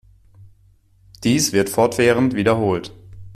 Dies wird fortwährend wiederholt.